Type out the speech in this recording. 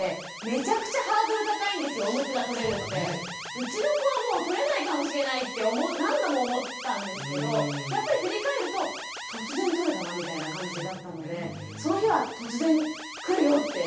うちの子はもうとれないかもしれないって何度も思ったんですけどやっぱり振り返ると突然とれたなみたいな感じだったのでその日は突然来るよって言いたいですね。